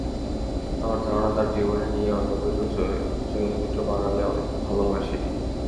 আমার ধারণা, তাঁর জীবনী নিয়ে স্বল্পদৈর্ঘ্য চলচ্চিত্র বানালে অনেক ভালো হবে সেটি।